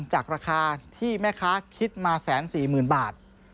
จากราคาที่แม่ค้าคิดมา๑๔๐๐๐บาท